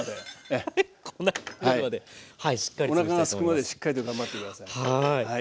おなかがすくまでしっかりと頑張って下さい。